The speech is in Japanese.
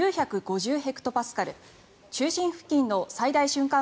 ヘクトパスカル中心付近の最大瞬間